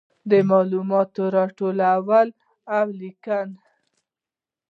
د معلوماتو راټولول او لیکنه.